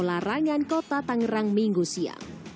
larangan kota tangerang minggu siang